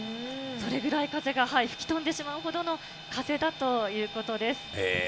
それぐらい風が、はい、吹き飛んでしまうほどの風だということです。